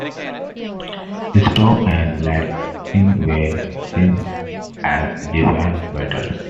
Storms and lightning were seen as divine battles.